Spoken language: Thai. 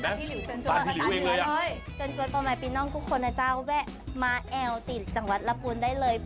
มาแอวจากจังหวัดระปุณฑ์ได้เลย